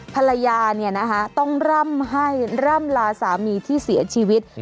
ภรรยาต้องร่ำให้ร่ำลาสามีที่เสียชีวิต